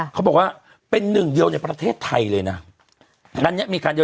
เขาบอกว่าเป็นหนึ่งเดียวในประเทศไทยเลยนะคันนี้มีคันเดียว